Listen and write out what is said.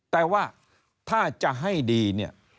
แต่ว่าถ้าจะให้ดีเนี่ย